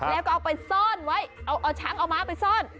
แล้วก็เอาไปซ่อนไว้เอาช้างเอาม้าไปซ่อน